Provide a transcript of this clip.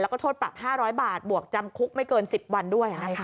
แล้วก็โทษปรับ๕๐๐บาทบวกจำคุกไม่เกิน๑๐วันด้วย